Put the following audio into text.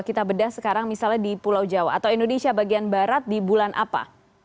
kita bedah sekarang misalnya di pulau jawa atau indonesia bagian barat di bulan apa